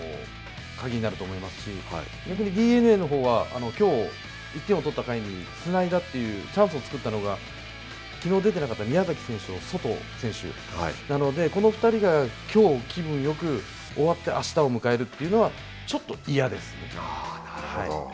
この２人が、どれだけ塁をにぎわしていくかというところが、鍵になると思いますし逆にＤｅＮＡのほうは、きょう１点を取った回につないだという、チャンスを作ったのが、きのう出てなかった宮崎選手とソト選手なのでこの２人が、きょう気分よく終わって、あしたを迎えるというのはちょっと嫌ですね。